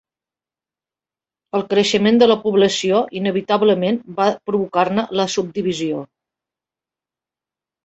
El creixement de la població inevitablement va provocar-ne la subdivisió.